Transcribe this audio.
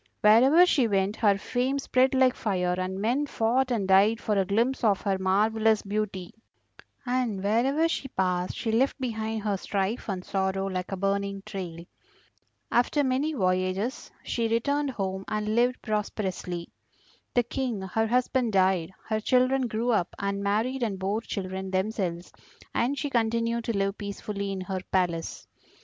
Wherever she went her fame spread like fire, and men fought and died for a glimpse of her marvellous beauty; and wherever she passed she left behind her strife and sorrow like a burning trail. After many voyages she returned home and lived prosperously. The King her husband died, her children grew up and married and bore children themselves, and she continued to live peacefully in her palace.